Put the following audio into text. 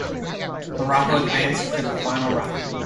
Morocco advanced to the Final Round.